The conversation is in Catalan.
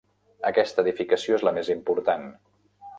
Aquesta edificació és la més important.